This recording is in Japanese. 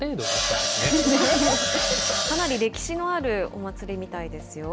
かなりの歴史のあるお祭りみたいですよ。